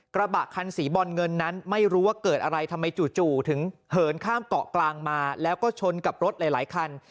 กระบะคันสีบอลเงินนั้นไม่รู้ว่าเกิดอะไรทำไมจู่ถึงเหินข้ามเกาะกลางมาแล้วก็ชนกับรถหลายคัน